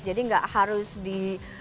jadi gak harus di